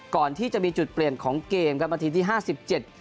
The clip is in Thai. ก่อนที่จะมีจุดเปลี่ยนของเกมครับนาทีที่ห้าสิบเจ็ด